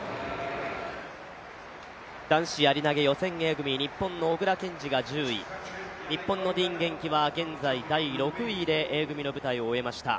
男子やり投予選Ａ組、日本の小椋健司が第１０位、日本のディーン元気は第６位でＡ組の舞台を終えました。